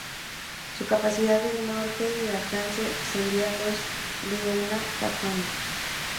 Su capacidad de corte y alcance excedía los de una "katana".